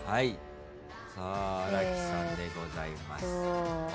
さあ新木さんでございます。